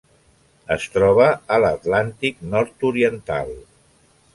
Es troba a l'Atlàntic nord-oriental: